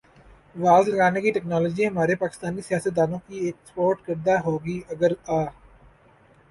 was لگانے کی technology ہمارے پاکستانی سیاستدا نوں کی ایکسپورٹ کردہ ہوگی اگر آ